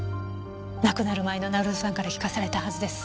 亡くなる前の成尾さんから聞かされたはずです。